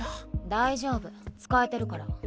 大丈夫使えてるから。